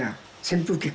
扇風機